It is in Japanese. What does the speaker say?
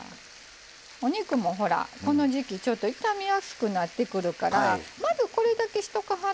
お肉もほらこの時期ちょっと傷みやすくなってくるからまずこれだけしとかはったらね